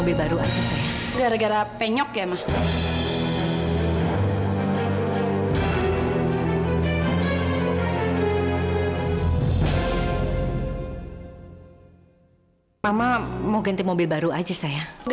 iya mama mau ganti mobil baru aja sayang